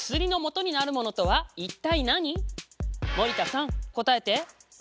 森田さん答えて。